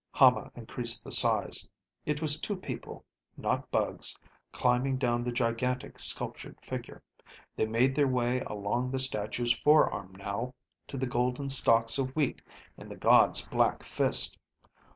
Hama increased the size. It was two people, not bugs, climbing down the gigantic sculptured figure. They made their way along the statue's forearm now, to the golden stalks of wheat in the god's black fist.